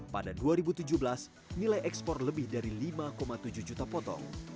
pada dua ribu tujuh belas nilai ekspor lebih dari lima tujuh juta potong